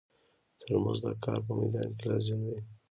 ترموز د کار په مېدان کې لازم دی.